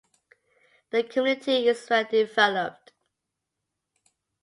The community is well developed.